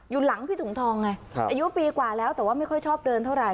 อยู่หลังพี่ถุงทองไงอายุปีกว่าแล้วแต่ว่าไม่ค่อยชอบเดินเท่าไห